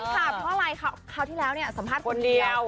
ค่ะเพราะอะไรคราวที่แล้วเนี่ยสัมภาษณ์คนเดียว